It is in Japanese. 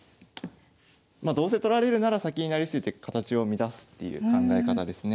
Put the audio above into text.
どうせ取られるなら先に成り捨てて形を乱すっていう考え方ですね。